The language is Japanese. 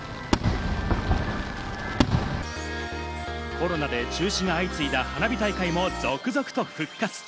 コロナで中止が相次いだ花火大会も続々と復活。